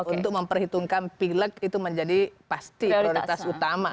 untuk memperhitungkan pilek itu menjadi pasti prioritas utama